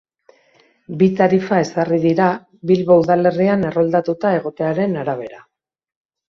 Bi tarifa ezarri dira, Bilbo udalerrian erroldatuta egotearen arabera.